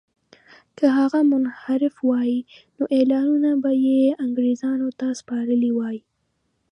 که هغه منحرف وای نو اعلانونه به یې انګرېزانو ته سپارلي وای.